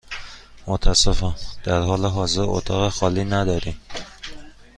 متأسفم، در حال حاضر اتاق خالی نداریم.